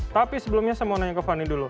tapi sebelumnya saya mau nanya ke fani dulu